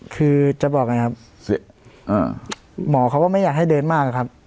คือจะบอกไงครับหมอเขาก็ไม่อยากให้เดินมากครับ